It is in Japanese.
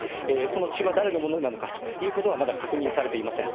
この血は誰のものなのかということは、まだ確認されていません。